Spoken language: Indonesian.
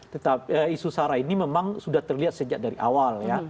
tetapi isu sara ini memang sudah terlihat sejak dari awal ya